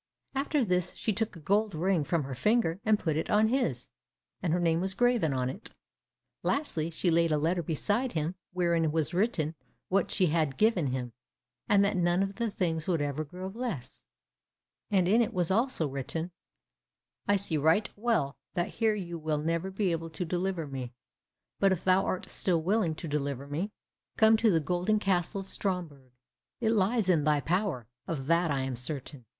After this she took a gold ring from her finger, and put it on his, and her name was graven on it. Lastly, she laid a letter beside him wherein was written what she had given him, and that none of the things would ever grow less; and in it was also written, "I see right well that here you will never be able to deliver me, but if thou art still willing to deliver me, come to the golden castle of Stromberg; it lies in thy power, of that I am certain."